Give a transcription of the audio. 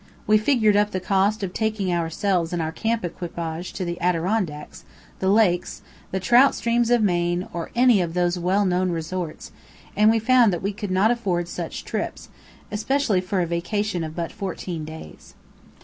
We figured up the cost of taking ourselves and our camp equipage to the Adirondacks, the lakes, the trout streams of Maine, or any of those well known resorts, and we found that we could not afford such trips, especially for a vacation of but fourteen days.